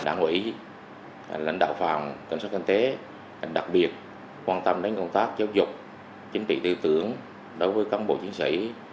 đảng úy lãnh đạo phạm cảnh sát kinh tế đặc biệt quan tâm đến công tác giáo dục chính trị tư tưởng đối với cám bộ chiến sĩ